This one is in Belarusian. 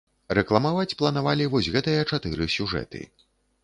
Рэкламаваць планавалі вось гэтыя чатыры сюжэты.